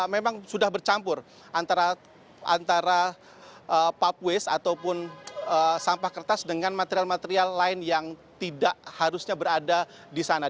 memang sudah bercampur antara pub waste ataupun sampah kertas dengan material material lain yang tidak harusnya berada di sana